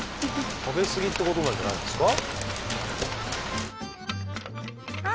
食べ過ぎってことなんじゃないんですか？